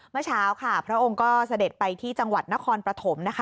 เมื่อเช้าค่ะพระองค์ก็เสด็จไปที่จังหวัดนครปฐมนะคะ